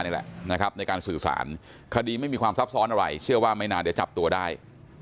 นี่แหละนะครับในการสื่อสารคดีไม่มีความซับซ้อนอะไรเชื่อว่าไม่นานเดี๋ยวจับตัวได้